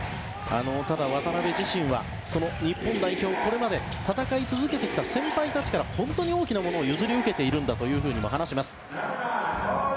ただ、渡邉自身は日本代表でこれまで戦い続けてきた先輩たちから大きなものを譲り受けているんだと話します。